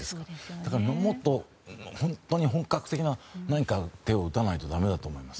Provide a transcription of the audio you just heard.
だから、もっと本格的な何か手を打たないとだめだと思います。